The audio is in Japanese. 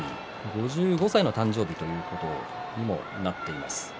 ５５歳の誕生日ということにもなっています。